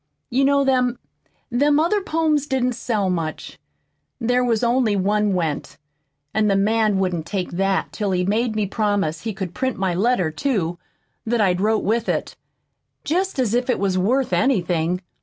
"You know, them them other poems didn't sell much there was only one went, an' the man wouldn't take that till he'd made me promise he could print my letter, too, that I'd wrote with it jest as if that was worth anything!